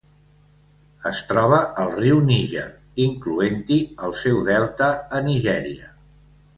Es troba al riu Níger, incloent-hi el seu delta a Nigèria.